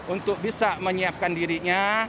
untuk bisa menyiapkan dirinya